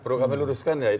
perlu kami luruskan ya